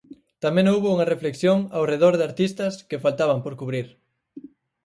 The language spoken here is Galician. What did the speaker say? Tamén houbo unha reflexión ao redor de artistas que faltaban por cubrir.